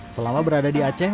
selama berada di aceh